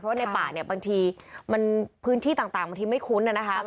บางทีมันพื้นที่ต่างบางทีไม่คุ้นนะครับ